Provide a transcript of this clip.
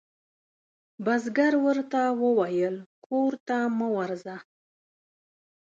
بزګر ورته وویل کور ته مه ورځه.